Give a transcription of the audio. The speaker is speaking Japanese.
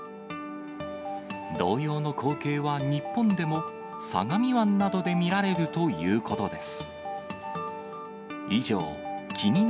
同様の光景は日本でも、相模湾などで見られるということです。